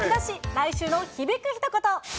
来週の響く一言。